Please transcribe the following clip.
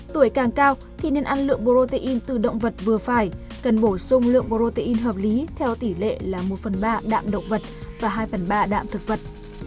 tuổi càng cao thì nên ăn lượng protein từ động vật vừa phải cần bổ sung lượng protein hợp lý theo tỷ lệ là một phần ba đạm động vật và hai phần ba đạm thực vật